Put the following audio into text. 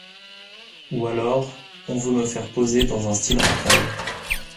Ou alors, on veut me faire poser dans un style racaille.